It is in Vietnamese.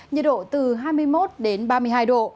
nhiệt độ từ hai mươi một đến ba mươi hai độ